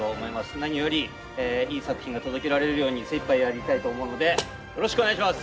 何よりいい作品が届けられるように精いっぱいやりたいと思うのでよろしくお願いします。